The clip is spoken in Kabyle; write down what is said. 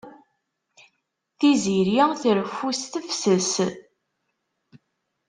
Tiziri treffu s tefses.